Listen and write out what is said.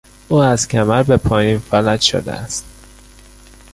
او از کمر به پایین فلج شده است.